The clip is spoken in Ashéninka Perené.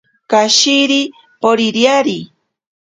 Kashiri poririari.